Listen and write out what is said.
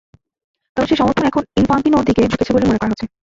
তবে সেই সমর্থন এখন ইনফান্তিনোর দিকেই ঝুঁকেছে বলে মনে করা হচ্ছে।